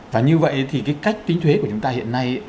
và như vậy thì cái cách tính thuế của chúng ta hiện nay